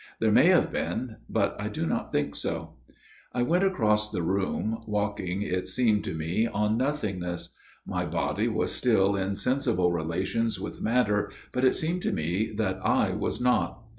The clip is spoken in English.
There may have been ; but I do not think so. " I went across the room, walking, it seemed to me, on nothingness. My body was still in sensible relations with matter, but it seemed to me that I was not.